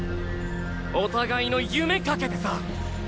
お互いの夢懸けてさ！